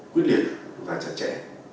quyết liệt và chặt chẽ